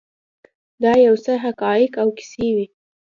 دا یو څه حقایق او کیسې وې.